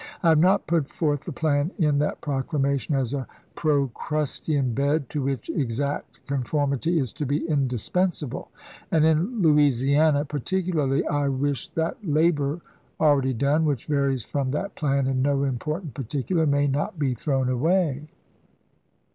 I have not put forth the plan in that Proclama tion as a Procrustean bed, to which exact conformity is to be indispensable ; and in Louisiana, particularly, I wish that labor already done, which varies from that plan in no important particular, may not be thrown away.